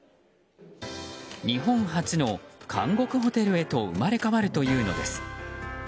日本初の監獄ホテルへと生まれ変わるというのです。